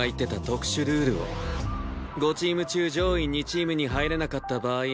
５チーム中上位２チームに入れなかった場合